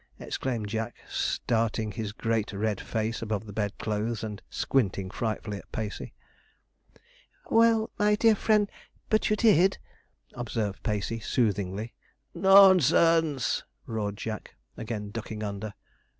exclaimed Jack, starting his great red face above the bedclothes and squinting frightfully at Pacey. 'Well, my dear friend, but you did,' observed Pacey soothingly. 'Nonsense!' roared Jack, again ducking under.